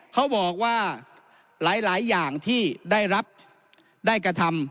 เขาบอกว่าหลายอย่างที่ได้รับได้กระทำ